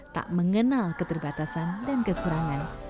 tak mengenal keterbatasan dan kekurangan